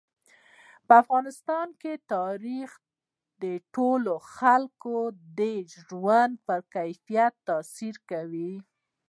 په افغانستان کې تاریخ د ټولو خلکو د ژوند په کیفیت تاثیر کوي.